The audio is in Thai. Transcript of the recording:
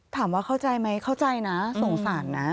ถามว่าเข้าใจไหมเข้าใจนะสงสารนะ